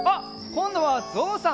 こんどはぞうさん！